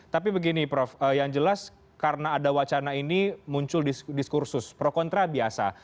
tapi begini prof yang jelas karena ada wacana ini muncul diskursus pro kontra biasa